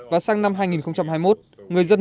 và sang năm hai nghìn hai mươi một